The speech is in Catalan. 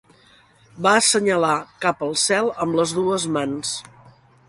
Va assenyalar cap al cel amb les dues mans.